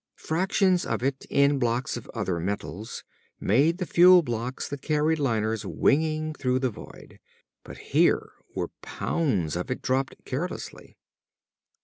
Fractions of it in blocks of other metals made the fuel blocks that carried liners winging through the void. But here were pounds of it dropped carelessly....